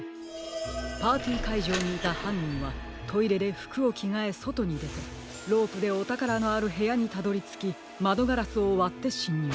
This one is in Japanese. パーティーかいじょうにいたはんにんはトイレでふくをきがえそとにでてロープでおたからのあるへやにたどりつきまどガラスをわってしんにゅう。